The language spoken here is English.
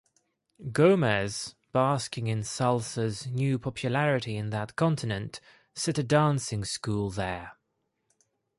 Gomez, basking in Salsa's new popularity in that continent, set a dancing school there.